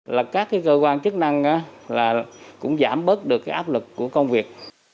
là các cái cơ quan chức năng cũng giảm bớt được cái áp lực của công việc